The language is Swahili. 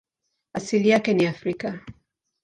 Asili yake ni Afrika.